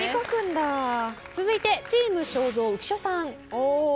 続いてチーム正蔵浮所さん。